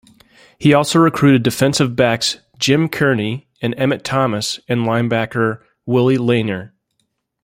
He also recruited defensive backs Jim Kearney and Emmitt Thomas, and linebacker Willie Lanier.